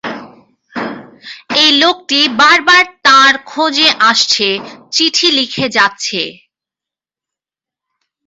এই লোকটি বারবার তাঁর খোঁজে আসছে, চিঠি লিখে যাচ্ছে।